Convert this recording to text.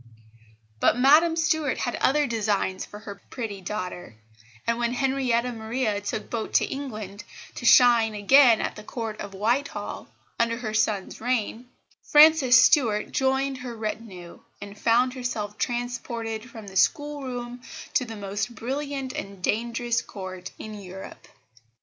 But Madame Stuart had other designs for her pretty daughter; and when Henrietta Maria took boat to England to shine again at the Court of Whitehall, under her son's reign, Frances Stuart joined her retinue, and found herself transported from the schoolroom to the most brilliant and dangerous court in Europe.